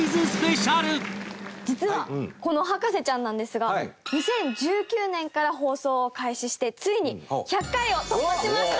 実はこの『博士ちゃん』なんですが２０１９年から放送を開始してついに１００回を突破しました！